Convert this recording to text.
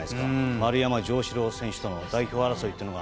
丸山城志郎選手との代表争いというのは。